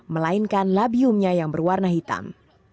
melainkan labiumnya yang berwarna hitam